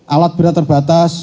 alat berat terbatas